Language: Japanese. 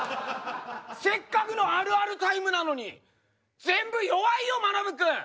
せっかくのあるあるタイムなのに全部弱いよまなぶ君！